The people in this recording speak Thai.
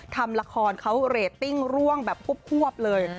ทำละครเขาเรตติ้งร่วงแบบควบเลย